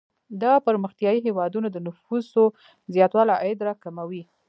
د پرمختیايي هیوادونو د نفوسو زیاتوالی عاید را کموي.